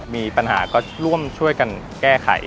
มีปัญหาก็ร่วมช่วยกันแก้ไข